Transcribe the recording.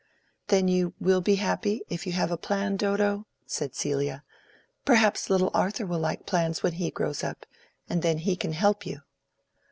"Then you will be happy, if you have a plan, Dodo?" said Celia. "Perhaps little Arthur will like plans when he grows up, and then he can help you."